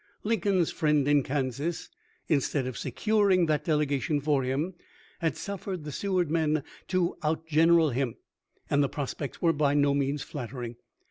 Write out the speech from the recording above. Lincoln's friend in Kansas, instead of securing that delegation for him, had suffered the Seward men to outgeneral him, and the prospects were by no means flattering.